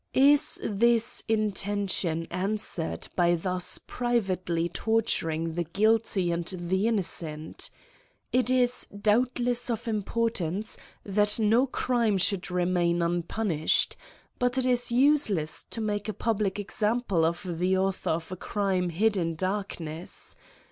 Is this intention answered by thub privately torturing the guilty and the innocent ? It is doubtless of impor tance that no crime should remain unpunished ; but it is useless to make a public exarpple of the author of a crime hid in darkness.